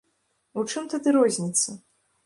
У чым тады розніца?